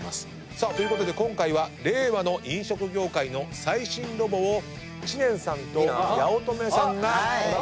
さあということで今回は令和の飲食業界の最新ロボを知念さんと八乙女さんが取材に行ってきてくれました。